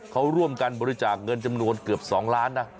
เขาร่วมกันบริจาคเงินจำนวนเกือบ๒ล้านนะ